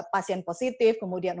pasien positif kemudian